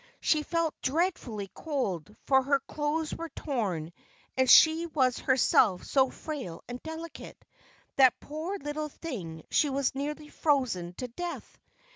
She felt dreadfully cold, for her clothes were torn, and she was herself so frail and delicate, that, poor little thing, she was nearly frozen to death!